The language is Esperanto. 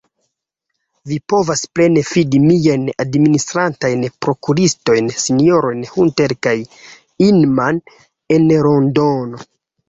Vi povas plene fidi miajn administrantajn prokuristojn, sinjorojn Hunter kaj Inman en Londono.